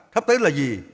khắp tới là gì